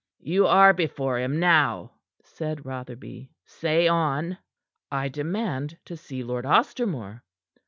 "You are before him now," said Rotherby. "Say on!" "I demand to see Lord Ostermore."